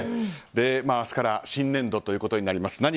明日から新年度ということになります。